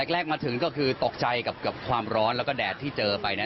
แรกมาถึงก็คือตกใจกับความร้อนแล้วก็แดดที่เจอไป